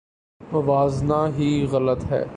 موازنہ ہی غلط ہے۔